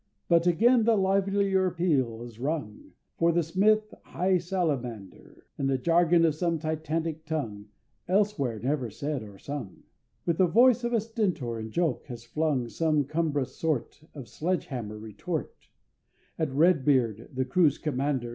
But again the livelier peal is rung, For the Smith, hight Salamander, In the jargon of some Titanic tongue, Elsewhere never said or sung, With the voice of a Stentor in joke has flung Some cumbrous sort Of sledge hammer retort At Red Beard, the crew's commander.